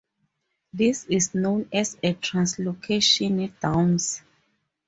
This is known as a 'translocation Downs'.